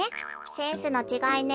センスのちがいね。